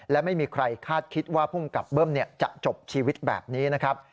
และไม่มีใครคาดคิดว่าภูมิกับเบิ้มจะจบชีวิตแบบนี้นะครับ